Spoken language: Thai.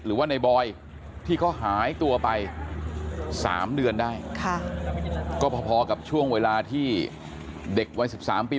หรือว่าในบอยที่เขาหายตัวไป๓เดือนได้ค่ะก็พอกับช่วงเวลาที่เด็กวัย๑๓ปี